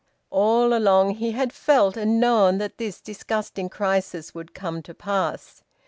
All along he had felt and known that this disgusting crisis would come to pass.